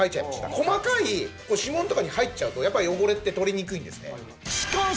細かい指紋とかに入っちゃうとやっぱり汚れって取りにくいんですね。